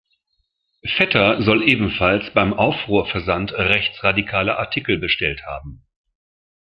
Vetter soll ebenfalls beim "Aufruhr"-Versand rechtsradikale Artikel bestellt haben.